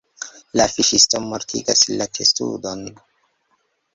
La fiŝisto mortigas la testudon.